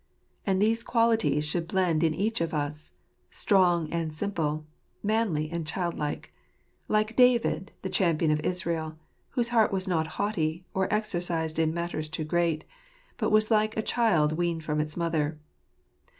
And these qualities . should blend in each of us — strong and simple, manly and childlike ; like David, the champion of Israel, whose heart was not haughty, or exercised in matters too great, but was like a child weaned from its mother.